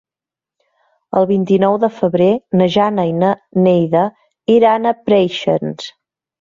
El vint-i-nou de febrer na Jana i na Neida iran a Preixens.